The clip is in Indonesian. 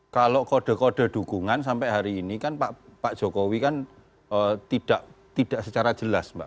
kalau kode kode dukungan sampai hari ini kan pak jokowi kan tidak secara jelas mbak